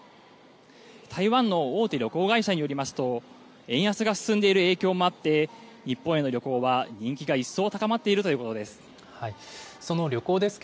台湾の大手旅行会社によりますと、円安が進んでいる影響もあって、日本への旅行は人気が一層高まっているということです。